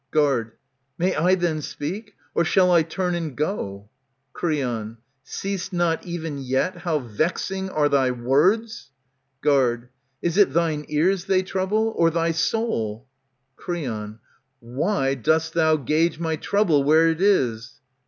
Guard, May I then speak ? Or shall I turn and go ? Creon. See'st not e'en yet how vexing are thy words ? Guard, Is it thine ears they trouble, or thy soul ? Creon, Why dost thou gauge my trouble where it is